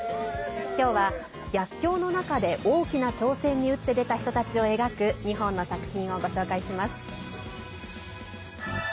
今日は、逆境の中で大きな挑戦に打って出た人たちを描く２本の作品をご紹介します。